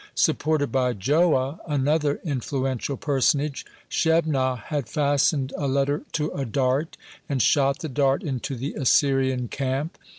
Supported by Joah, another influential personage, Shebnah had fastened a letter to a dart, and shot the dart into the Assyrian camp.